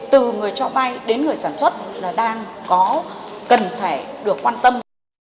từ người cho vay đến người sản xuất là đang có cần thể được quan tâm